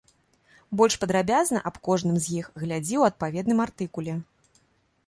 Больш падрабязна аб кожным з іх глядзі ў адпаведным артыкуле.